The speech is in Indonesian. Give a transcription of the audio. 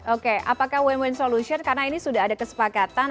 oke apakah win win solution karena ini sudah ada kesepakatan